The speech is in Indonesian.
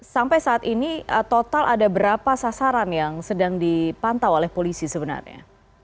sampai saat ini total ada berapa sasaran yang sedang dipantau oleh polisi sebenarnya